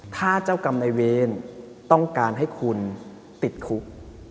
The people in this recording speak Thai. ถ้าเจ้ากรรมในเวรต้องการให้คุณติดคุก